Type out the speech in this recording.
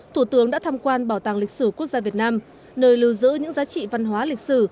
thủ tướng đã tham quan bảo tàng lịch sử quốc gia việt nam nơi lưu giữ những giá trị văn hóa lịch sử